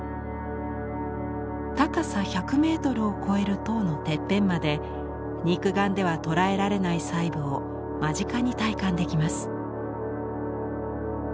高さ１００メートルを超える塔のてっぺんまで肉眼では捉えられない細部を間近に体感できます。